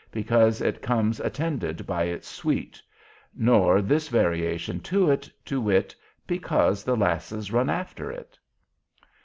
Because it comes attended by its sweet; nor this variation to it, to wit: Because the 'lasses runs after it.